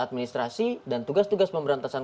administrasi dan tugas tugas pemberantasan